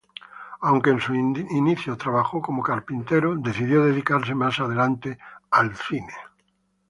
Aunque en sus inicios trabajó como carpintero, decidió dedicarse más adelante al cine.